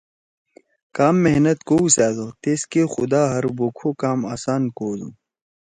کام محنت کؤسأدو تیس کے خدا ہر بُوکھو کام آسان کودُو۔